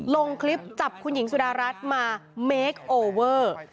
ลงคลิปจับคุณหญิงสุดารัฐมาเมคโอเวอร์